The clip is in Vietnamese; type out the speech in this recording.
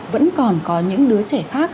vẫn còn có những đứa trẻ khác